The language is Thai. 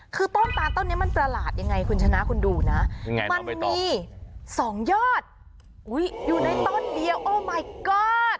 คือต้นตาลต้นนี้มันประหลาดยังไงคุณชนะคุณดูนะมันมี๒ยอดอยู่ในต้นดีโอไมเกอร์